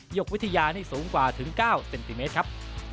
กวิทยานี่สูงกว่าถึง๙เซนติเมตรครับ